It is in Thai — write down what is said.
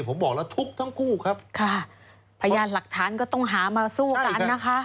ผมบอกแล้วทุบทั้งคู่ครับค่ะพยานหลักฐานก็ต้องหามาสู้กันนะคะ